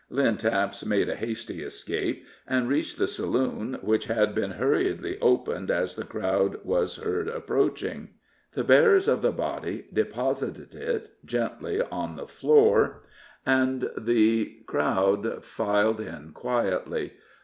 Lynn Taps made a hasty escape, and reached the saloon, which had been hurriedly opened as the crowd was heard approaching. The bearers of the body deposited it gently on the floor, and the crowd filed in quietly.